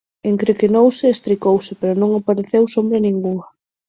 Encrequenouse e estricouse pero non apareceu sombra ningunha.